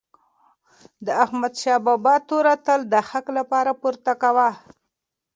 د احمدشاه بابا توره تل د حق لپاره پورته وه.